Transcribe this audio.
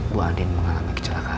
bu andin mengalami kecelakaan